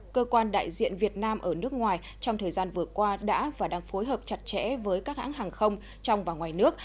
cơ quan đại diện việt nam ở nước ngoài trong thời gian vừa qua đã và đang phối hợp chặt chẽ với các hãng hàng không trong và ngoài nước